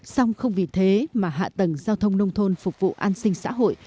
xong không vì thế mà hạ tầng giao thông nông thôn phục vụ an sinh xã hội